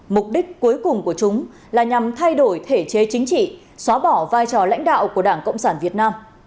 mục đích cuối cùng của chúng là nhằm thay đổi thể chế chính trị xóa bỏ vai trò lãnh đạo của đảng cộng sản việt nam